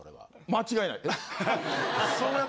間違いないって？